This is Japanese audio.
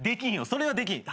それはできん。